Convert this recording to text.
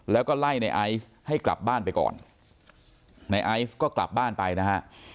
แล้วก็ไล่ในไอซ์ให้กลับบ้านไปก่อนในไอซ์ก็กลับบ้านไปนะฮะ